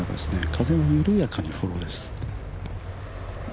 風は緩やかにフォローです。